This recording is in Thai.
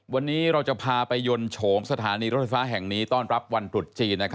วันนี้เราจะพาไปยนต์โฉมสถานีรถไฟฟ้าแห่งนี้ต้อนรับวันตรุษจีน